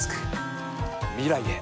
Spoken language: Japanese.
未来へ。